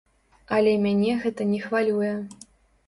Але мяне гэта не хвалюе.